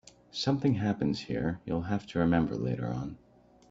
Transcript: Something happens here you'll have to remember later on.